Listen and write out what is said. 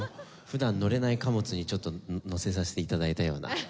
普段乗れない貨物にちょっと乗せさせて頂いたような。